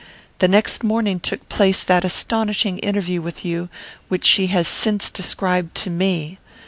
The next morning took place that astonishing interview with you which she has since described to me.